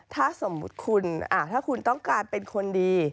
ถ้าสมมุติคุณถ้าคุณต้องการเป็นคนดี